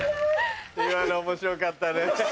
今の面白かったね。